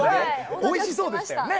おいしそうでした。